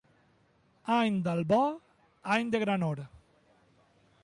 Any d'albó, any de granor.